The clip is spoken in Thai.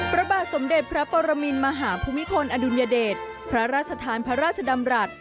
พระบาทสมเด็จพระปรมินมหาภูมิพลอดุลยเดชพระราชทานพระราชดำรัฐ